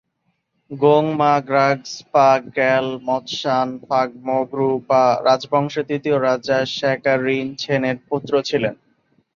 গোং-মা-গ্রাগ্স-পা-র্গ্যাল-ম্ত্শান ফাগ-মো-গ্রু-পা রাজবংশের তৃতীয় রাজা শা-ক্যা-রিন-ছেনের পুত্র ছিলেন।